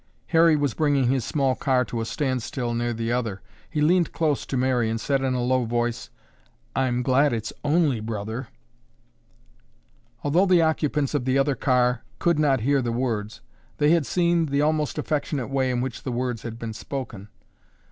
Harry was bringing his small car to a standstill near the other. He leaned close to Mary and said in a low voice, "I'm glad it's only brother." Although the occupants of the other car could not hear the words, they had seen the almost affectionate way in which the words had been spoken.